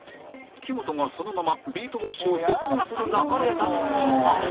木本がそのままビートウォッシュを説明する流れだったが